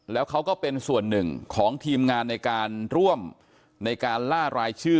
แล้วเขาก็เป็นส่วนหนึ่งของทีมงานในการร่วมในการล่ารายชื่อ